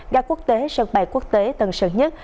ra quốc tế sân bay quốc tế tân sơn nhất